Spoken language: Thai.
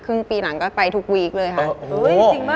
ครึ่งปีหลังก็ไปทุกวีคเลยค่ะโอ้โหจริงมาก